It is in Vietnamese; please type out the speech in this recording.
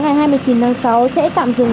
ngày hai mươi chín tháng sáu sẽ tạm dừng